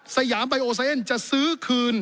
สยามไยโอไซเอนจะซื้อคืน